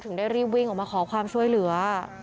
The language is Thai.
ได้รีบวิ่งออกมาขอความช่วยเหลือ